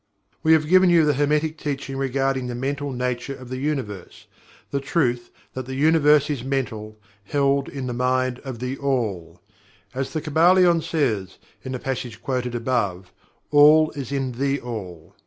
We have given you the Hermetic Teaching regarding the Mental Nature of the Universe the truth that "the Universe is Mental held in the Mind of THE ALL." As the Kybalion says, in the passage quoted above: "All is in THE ALL."